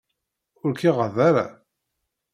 Ur k-iɣaḍ ara?